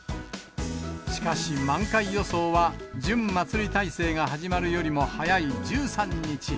しかし満開予想は、準まつり体制が始まるよりも早い１３日。